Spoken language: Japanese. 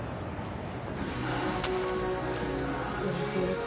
お願いします。